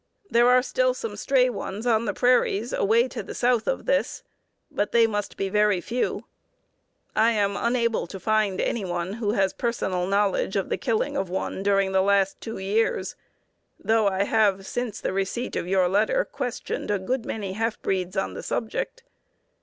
There are still some stray ones on the prairies away to the south of this, but they must be very few. I am unable to find any one who has personal knowledge of the killing of one during the last two years, though I have since the receipt of your letter questioned a good many half breeds on the subject.